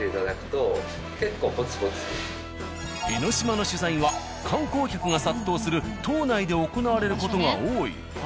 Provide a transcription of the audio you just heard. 江の島の取材は観光客が殺到する島内で行われる事が多い。